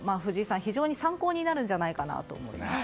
非常に参考になるんじゃないかなと思います。